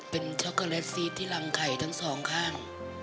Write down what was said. เป็นโชครัสซีดที่รังไข่ทั้ง๒ข้าง